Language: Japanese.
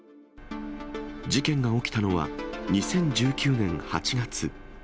事件が起きたのは、２０１９年８月。